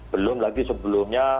belum lagi sebelumnya